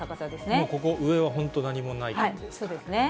もうここ、上は本当に何もないですからね。